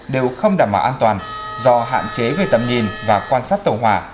đều không đảm bảo an toàn do hạn chế về tầm nhìn và quan sát tổng hòa